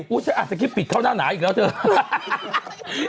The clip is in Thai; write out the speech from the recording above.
ฉันอ่านสคริปปิดเข้าหน้าหนาอีกแล้วเถอะ